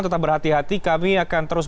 tetap berhati hati kami akan terus